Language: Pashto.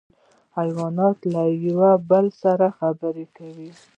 حیوانات له یو بل سره خبرې کوي